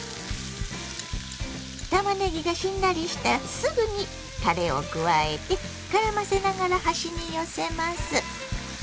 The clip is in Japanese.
たまねぎがしんなりしたらすぐにたれを加えてからませながら端に寄せます。